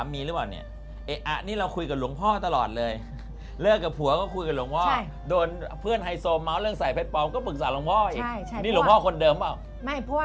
ไม่เพราะว่าเราเราศาสนาพูด